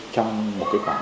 trong một khoảng thời gian